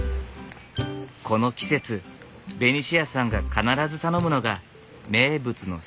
この季節ベニシアさんが必ず頼むのが名物のシソゼリー。